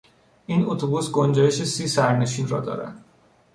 این اتوبوس گنجایش سی سرنشین را دارد.